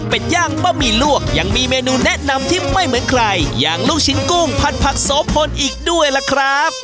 เป็นย่างบะหมี่ลวกยังมีเมนูแนะนำที่ไม่เหมือนใครอย่างลูกชิ้นกุ้งผัดผักโสพลอีกด้วยล่ะครับ